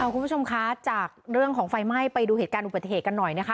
คุณผู้ชมคะจากเรื่องของไฟไหม้ไปดูเหตุการณ์อุบัติเหตุกันหน่อยนะคะ